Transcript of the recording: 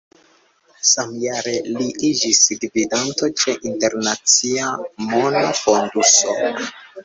Samjare li iĝis gvidanto ĉe Internacia Mona Fonduso.